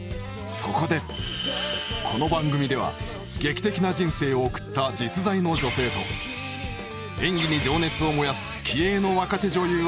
そこでこの番組では劇的な人生を送った実在の女性と演技に情熱を燃やす気鋭の若手女優をマッチング。